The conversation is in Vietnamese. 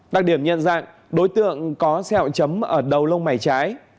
đặc điểm nhân dạng đối tượng có xe hội chấm ở đầu lông mày trái